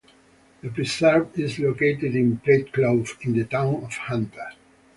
The preserve is located in Platte Clove in the town of Hunter.